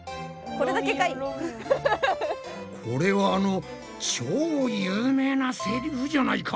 これはあの超有名なセリフじゃないか！